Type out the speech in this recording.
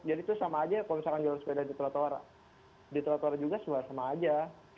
jadi itu sama aja kalau misalkan jalur sepeda di trotoar di trotoar juga semua sama aja